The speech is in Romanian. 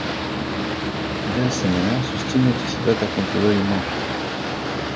De asemenea, susțin necesitatea controlării mafiei.